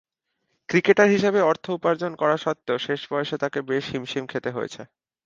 Cricketer হিসেবে অর্থ উপার্জন করা স্বত্ত্বেও শেষ বয়সে তাকে বেশ হিমশিম খেতে হয়েছে।